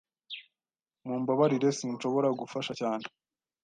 Mumbabarire sinshobora gufasha cyane.